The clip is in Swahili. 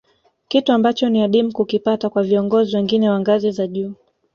Kitu ambacho ni adimu kukipata kwa viongozi wengine wa ngazi za juu